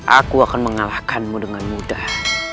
aku akan mengalahkanmu dengan mudah